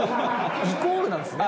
イコールなんですね。